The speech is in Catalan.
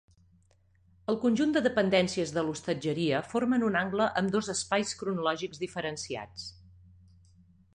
El conjunt de dependències de l'hostatgeria formen un angle amb dos espais cronològics diferenciats.